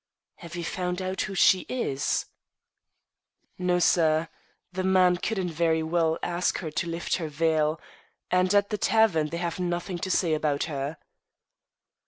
"Have you found out who she is?" "No, sir. The man couldn't very well ask her to lift her veil, and at the tavern they have nothing to say about her."